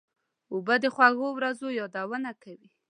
اوبه د خوږو ورځو یادونه کوي.